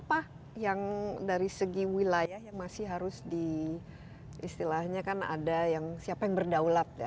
apa yang dari segi wilayah yang masih harus diistilahkan ada yang siapa yang berdaulat